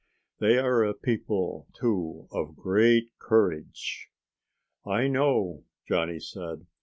They are a people, too, of great courage." "I know," Johnny said.